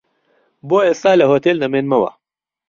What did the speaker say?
بۆ ئێستا لە هۆتێل دەمێنمەوە.